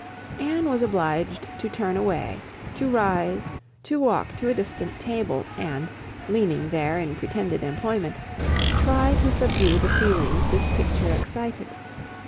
Anne was obliged to turn away, to rise, to walk to a distant table, and, leaning there in pretended employment, try to subdue the feelings this picture excited.